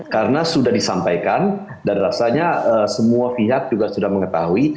karena sudah disampaikan dan rasanya semua pihak juga sudah mengetahui